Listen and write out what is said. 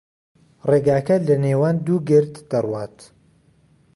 ڕێگاکە لەنێوان دوو گرد دەڕوات.